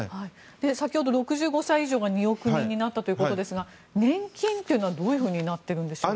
先ほど、６５歳以上が２億人になったということですが年金というのはどうなっているんでしょうか。